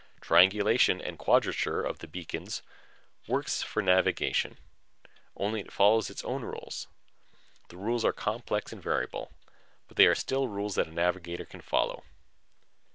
Triangulation and quadrature of the beacons works for navigation only it follows its own rules. The rules are complex and variable, but they are still rules that a navigator can follow.